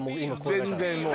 全然もう。